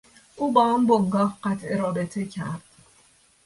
او با آن بنگاه قطع رابطه کرد.